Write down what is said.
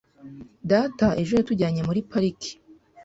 Data ejo yatujyanye muri pariki.